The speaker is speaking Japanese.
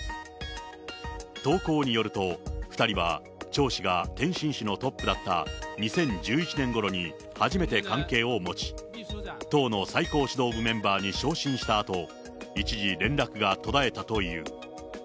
投稿によると、２人は張氏が天津市のトップだった２０１１年ごろに初めて関係を持ち、党の最高指導部メンバーに昇進したあと、一時連絡が途絶えたという。